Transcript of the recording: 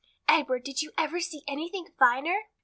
"Edward, did you ever see anything finer?"